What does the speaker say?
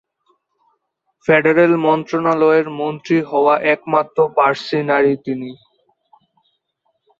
Federal মন্ত্রণালয়ের মন্ত্রী হওয়া একমাত্র পারসি নারী তিনি।